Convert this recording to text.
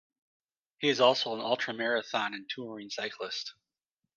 He is also an ultra-marathon and touring cyclist.